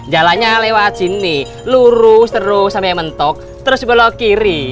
jalannya lewat sini lurus terus sampai mentok terus belok kiri